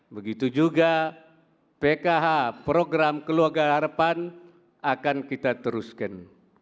begitu juga pkh program keluarga harapan akan kita teruskan